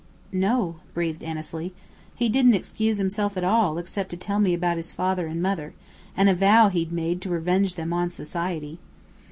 "No," breathed Annesley. "He didn't excuse himself at all except to tell me about his father and mother, and a vow he'd made to revenge them on society."